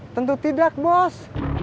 tentu tidak bos